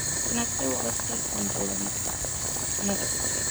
The next day, Wallace pays Wendolene another visit.